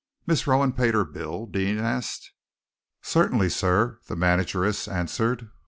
"Miss Rowan paid her bill?" Deane asked. "Certainly, sir," the manageress answered.